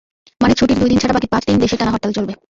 মানে ছুটির দুই দিন ছাড়া বাকি পাঁচ দিন দেশে টানা হরতাল চলবে।